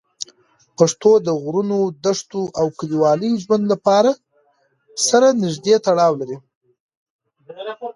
پښتو د غرونو، دښتو او کلیوالي ژوند له فضا سره نږدې تړاو لري.